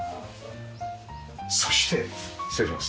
そして失礼します。